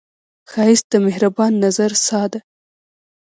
ښایست د مهربان نظر ساه ده